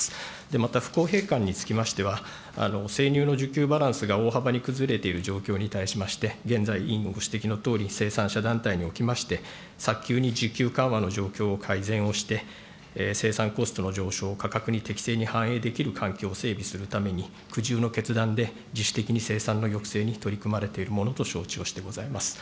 また不公平感につきましては、生乳の需給バランスが大幅に崩れている状況に対しまして、現在、委員ご指摘のとおり、生産者団体におきまして、早急に需給緩和の状況を改善をして、生産コストの上昇を価格に適正に反映できる環境を整備するために、苦渋の決断で、自主的に生産の抑制に取り組まれているものと承知をしてございます。